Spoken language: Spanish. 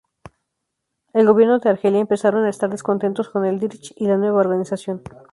El gobierno de Argelia empezaron a estar descontentos con Eldridge y la nueva organización.